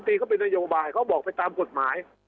ก็เป็นนโยบายเขาบอกไปตามกฎหมาย